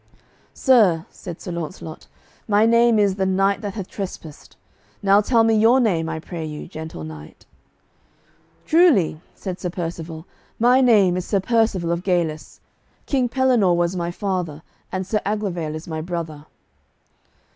"Sir," said Sir Launcelot, "my name is 'The knight that hath trespassed.' Now tell me your name, I pray you, gentle knight." "Truly," said Sir Percivale, "my name is Sir Percivale of Galis; King Pellinore was my father and Sir Aglovale is my brother."